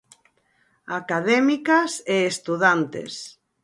Académicas e estudantes.